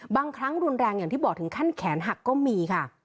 บางครั้งรุนแรงอย่างที่บอกถึงขั้นแขนหักก็มีค่ะ